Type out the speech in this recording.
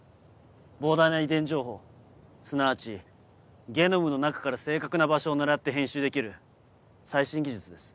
膨大な遺伝情報すなわちゲノムの中から正確な場所を狙って編集できる最新技術です。